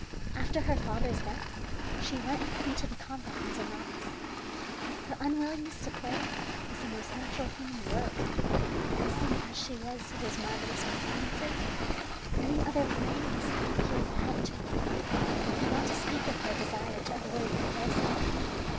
After her father's death she went into the convent as a novice. Her unwillingness to play was the most natural thing in the world; accustomed as she was to those marvellous performances, any other playing must have appeared bad to her, not to speak of her desire to avoid comparisons.